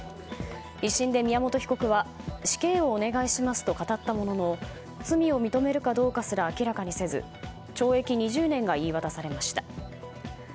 １審で宮本被告は死刑をお願いしますと語ったものの罪を認めるかどうかすら明らかにせず懲役２０年が言い渡されました。